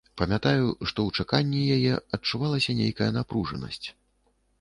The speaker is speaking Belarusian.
Памятаю, што ў чаканні яе адчувалася нейкая напружанасць.